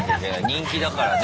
人気だからね。